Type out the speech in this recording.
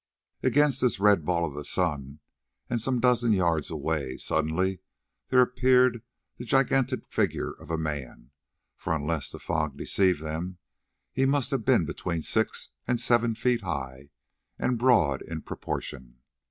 Against this red ball of the sun, and some dozen yards away, suddenly there appeared the gigantic figure of a man, for, unless the fog deceived them, he must have been between six and seven feet high and broad in proportion.